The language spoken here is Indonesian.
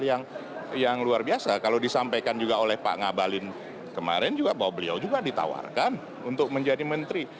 yang luar biasa kalau disampaikan juga oleh pak ngabalin kemarin juga bahwa beliau juga ditawarkan untuk menjadi menteri